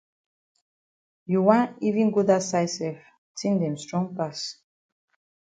You go wan even go dat side sef tin dem strong pass.